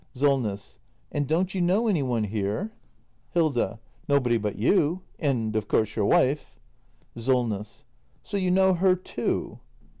SOLNESS. And don't you know any one here ? Hilda. Nobody but you. And of course, your wife. SOLNESS. So you know her, too